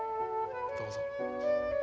どうぞ。